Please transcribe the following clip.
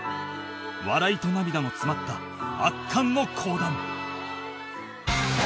笑いと涙の詰まった圧巻の講談